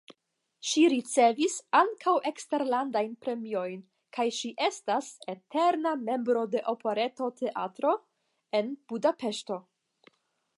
Ŝi ricevis ankaŭ eksterlandajn premiojn kaj ŝi estas "eterna membro de Operetoteatro" en Budapeŝto.